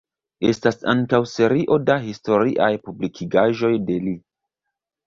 Estas ankaŭ serio da historiaj publikigaĵoj de li.